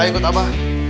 nah ikut apa